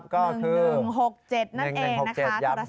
คือนั้นเองนั่นค่ะยำนะครับ